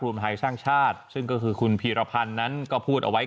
ไทยสร้างชาติซึ่งก็คือคุณพีรพันธ์นั้นก็พูดเอาไว้